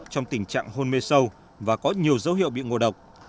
trong tình trạng hôn mê sâu và có nhiều dấu hiệu bị ngộ độc